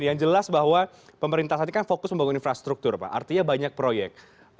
yang jelas bahwa pemerintah saat ini kan fokus membangun infrastruktur pak artinya banyak proyek